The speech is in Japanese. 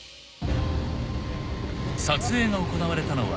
［撮影が行われたのは］